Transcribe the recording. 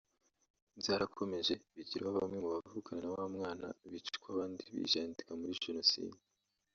Byarakomeje bigera aho bamwe mu bavukana na wa mwana bicwa abandi bijandika muri Jenoside